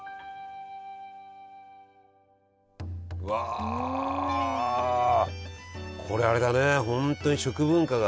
わあこれあれだね。